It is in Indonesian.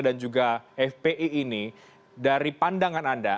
dan juga fpi ini dari pandangan anda